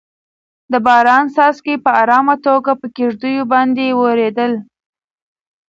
د باران څاڅکي په ارامه توګه په کيږديو باندې ورېدل.